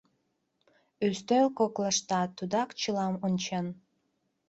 Ӱстел коклаштат тудак чылам ончен.